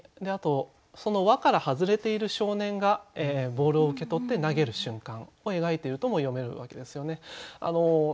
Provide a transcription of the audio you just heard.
あとその輪から外れている少年がボールを受け取って投げる瞬間を描いているとも読めるわけですよね。